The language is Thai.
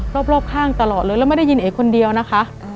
รอบข้างตลอดเลยแล้วไม่ได้ยินเอกคนเดียวนะคะ